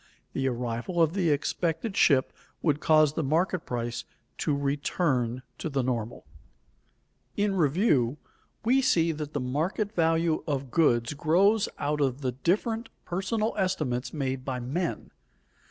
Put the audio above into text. The arrival of the expected ship would cause the market price to return to the normal. [Sidenote: Review of the argument] In review, we see that the market value of goods grows out of the different personal estimates made by men.